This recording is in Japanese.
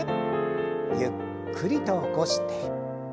ゆっくりと起こして。